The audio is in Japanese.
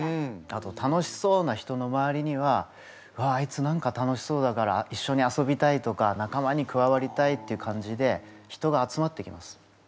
あと楽しそうな人の周りにはうわあいつ何か楽しそうだから一緒に遊びたいとか仲間に加わりたいっていう感じで人が集まってきます。